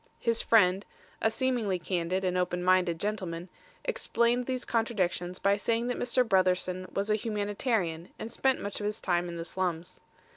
His friend a seemingly candid and open minded gentleman explained these contradictions by saying that Mr. Brotherson was a humanitarian and spent much of his time in the slums.